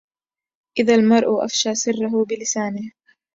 إذا المرء أفشى سره بلسانه